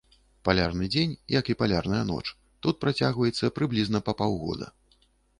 Палярны дзень, як і палярная ноч, тут працягваецца прыблізна па паўгода.